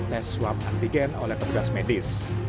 tes swab antigen oleh petugas medis